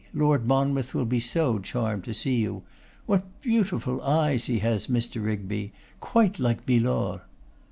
Lord Monmouth will be so charmed to see you. What beautiful eyes he has, Mr. Rigby. Quite like Milor.